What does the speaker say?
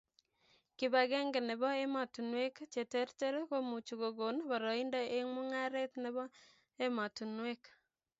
Kipakenge nebo emotunuek cheterter komuchu kokon boroindo eng' mung'aret nebo emotunuek